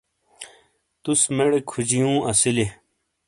تس موڑے کھجیو اسیلیئے۔